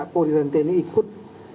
pauli dan teni ikut